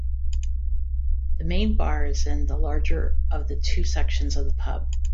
The main bar is in the larger of the two sections of the pub.